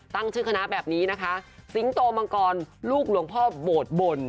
ตั้งชื่อคณะแบบนี้นะคะสิงโตมังกรลูกหลวงพ่อโบสถบ่น